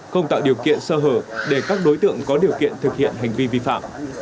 không tạo điều kiện sơ hở để các đối tượng có điều kiện thực hiện hành vi vi phạm